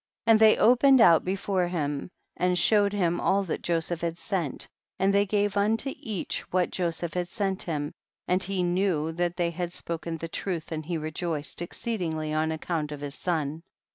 104. And they opened out before him, and showed him all that Joseph had sent, they gave unto each what Joseph had sent him, and he knew that they had spoken the truth, and he rejoiced exceedingly on account of his son.